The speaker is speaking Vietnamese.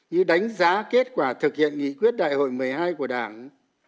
như đánh giá kết quả thực hiện nghị quyết đại hội một mươi hai của đảng